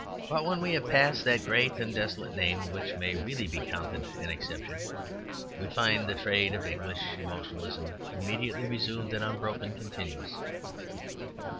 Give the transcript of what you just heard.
But when we have passed that great and desolate name, which may really be counted an exception, we find the tradition of English emotionalism immediately resumed and unbrokenly continuous.